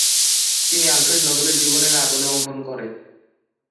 তিনি আলফ্রেড নোবেলের জীবনীর আদলে অঙ্কন করে।